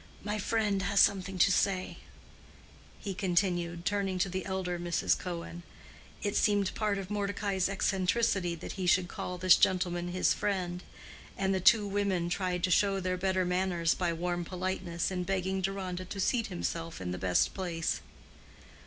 My friend has something to say," he continued, turning to the elder Mrs. Cohen. It seemed part of Mordecai's eccentricity that he should call this gentleman his friend; and the two women tried to show their better manners by warm politeness in begging Deronda to seat himself in the best place.